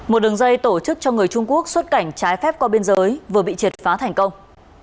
một đường dây tổ chức cho người trung quốc xuất cảnh trái phép qua biên giới vừa bị triệt phá thành công